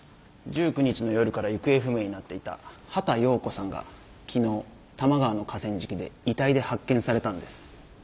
１９日の夜から行方不明になっていた畑葉子さんが昨日多摩川の河川敷で遺体で発見されたんです。